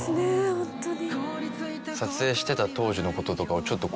ホントに。